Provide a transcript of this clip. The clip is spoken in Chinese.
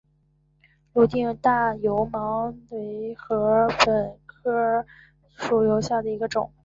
泸定大油芒为禾本科大油芒属下的一个种。